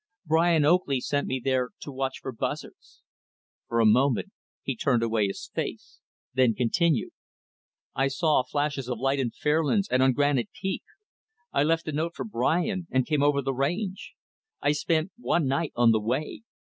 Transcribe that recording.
Brian Oakley sent me there to watch for buzzards." For a moment he turned away his face, then continued, "I saw flashes of light in Fairlands and on Granite Peak. I left a note for Brian and came over the range. I spent one night on the way.